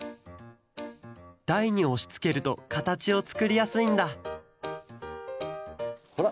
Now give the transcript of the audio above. だいにおしつけるとかたちをつくりやすいんだほら。